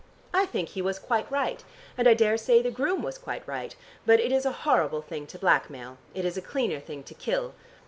I think he was quite right; and I daresay the groom was quite right, but it is a horrible thing to blackmail; it is a cleaner thing to kill.